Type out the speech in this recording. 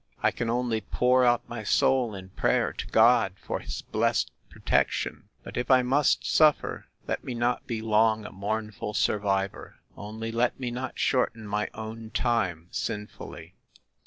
I can only pour out my soul in prayer to God, for his blessed protection. But, if I must suffer, let me not be long a mournful survivor!—Only let me not shorten my own time sinfully!